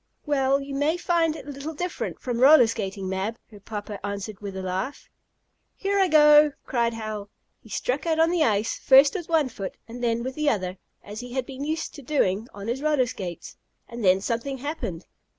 "Well, you may find it a little different from roller skating, Mab," her papa answered with a laugh. "Here I go!" cried Hal. He struck out on the ice, first with one foot, and then with the other, as he had been used to doing on his roller skates. And then something happened.